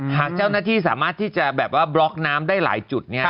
หากเจ้าหน้าที่สามารถที่จะแบบว่าบล็อกน้ำได้หลายจุดเนี่ย